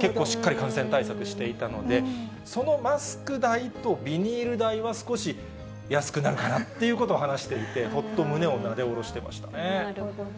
結構しっかり感染対策していたので、そのマスク代とビニール代は少し安くなるかなっていうことを話していて、なるほど。